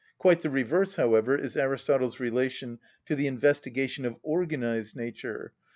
Quite the reverse, however, is Aristotle's relation to the investigation of organised nature.